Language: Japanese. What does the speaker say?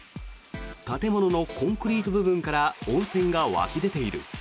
建物のコンクリート部分から温泉が湧き出ている。